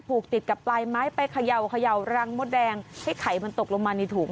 ผูกติดกับปลายไม้ไปเขย่าเขย่ารังมดแดงให้ไข่มันตกลงมาในถุง